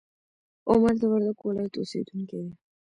عمر د وردګو ولایت اوسیدونکی دی.